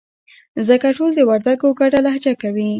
ځکه ټول د وردگو گډه لهجه کوي.